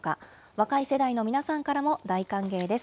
若い世代の皆さんからも大歓迎です。